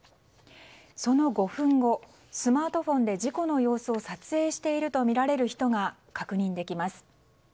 その５分後スマートフォンで事故の様子を撮影しているとみられる人が確認できます。